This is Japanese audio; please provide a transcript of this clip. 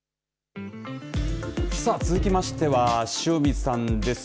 続きましては塩見さんです。